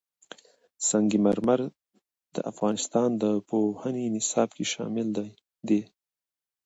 سنگ مرمر د افغانستان د پوهنې نصاب کې شامل دي.